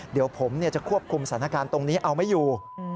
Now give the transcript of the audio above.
เดี๋ยวผมจะควบคุมสถานการณ์ตรงนี้เอาไม่อยู่